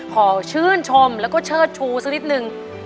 ขอชื่นชมแล้วก็เชิดชูสักนิดนึง